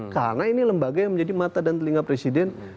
karena ini lembaga yang menjadi mata dan telinga presiden